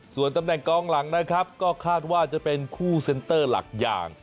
ส่วนตำแหน่งกองหลังนะครับก็คาดว่าจะเป็นคู่เซ็นเตอร์หลักอย่าง